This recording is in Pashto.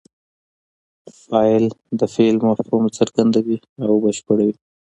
فاعل د فعل مفهوم څرګندوي او بشپړوي.